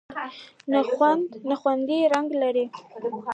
نخود نخودي رنګ لري.